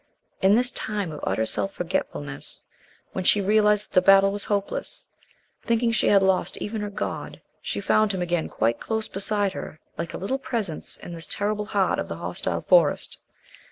In this time of utter self forgetfulness, when she realized that the battle was hopeless, thinking she had lost even her God, she found Him again quite close beside her like a little Presence in this terrible heart of the hostile Forest.